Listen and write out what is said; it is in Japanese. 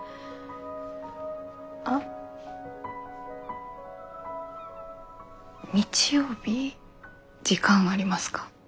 あっ日曜日時間ありますか？